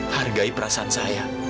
hargai perasaan saya